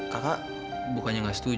kakak bukannya gak setuju